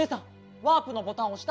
ワープのボタンおした？